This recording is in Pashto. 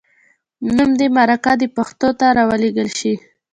نوم دې مرکه د پښتو ته راولیږل شي.